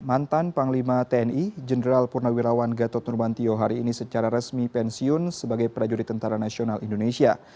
mantan panglima tni jenderal purnawirawan gatot nurmantio hari ini secara resmi pensiun sebagai prajurit tentara nasional indonesia